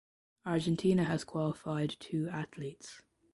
Argentina has qualified two athletes.